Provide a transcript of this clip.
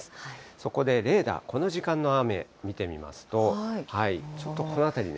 そこでレーダー、この時間の雨見てみますと、ちょっとこの辺りね。